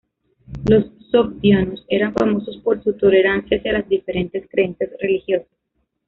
Los sogdianos eran famosos por su tolerancia hacia las diferentes creencias religiosas.